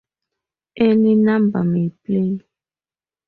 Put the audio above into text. Any number may play.